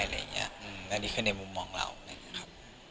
และนี่คือในมุมมองเรา